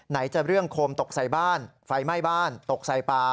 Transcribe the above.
จะเรื่องโคมตกใส่บ้านไฟไหม้บ้านตกใส่ปลา